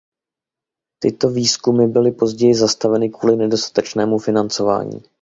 Tyto výzkumy byly později zastaveny kvůli nedostatečnému financování.